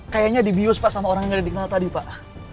kayaknya dibius pak sama orang yang udah dikenal tadi pak